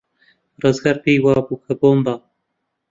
ڕزگار پێی وابوو کە بۆمبە.